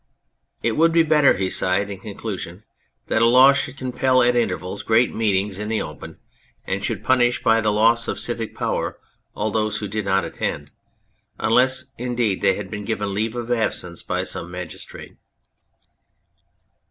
It would be better/' he sighed in conclusion, "that a law should compel at intervals great meetings in the open, and should punish by the loss of civic power all those who did not attend, unless, indeed, they had been given leave of absence by some magistrate."